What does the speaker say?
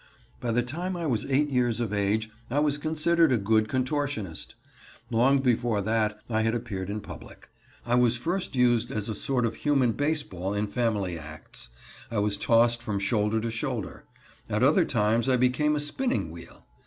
By the time I was eight years of age I was considered a good contortionist. Long before that time I had appeared in public. I was first used as a sort of human baseball in family acts. I was tossed from shoulder to shoulder. At other times I became a spinning wheel.